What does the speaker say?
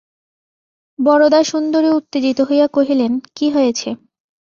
বরদাসুন্দরী উত্তেজিত হইয়া কহিলেন, কী হয়েছে!